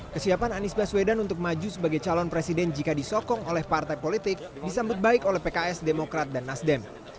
kesiapan anies baswedan untuk maju sebagai calon presiden jika disokong oleh partai politik disambut baik oleh pks demokrat dan nasdem